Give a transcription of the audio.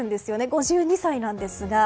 ５２歳なんですが。